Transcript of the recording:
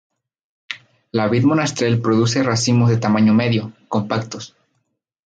La vid monastrell produce racimos de tamaño medio, compactos.